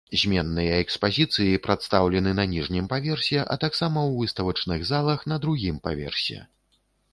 Зменныя экспазіцыі прадстаўлены на ніжнім паверсе, а таксама ў выставачных залах на другім паверсе.